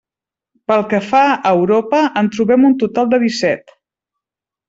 Pel que fa a Europa en trobem un total de disset.